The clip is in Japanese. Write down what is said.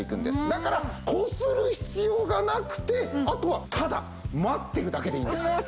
だからこする必要がなくてあとはただ待ってるだけでいいんです。